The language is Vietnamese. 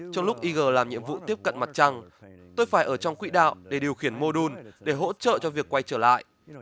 trong lúc ig làm nhiệm vụ tiếp cận mặt trăng tôi phải ở trong quỹ đạo để điều khiển mô đun để hỗ trợ cho việc quay trở lại